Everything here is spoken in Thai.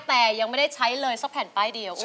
แต่ยังไม่ได้ใช้เลยสักแผ่นป้ายเดียว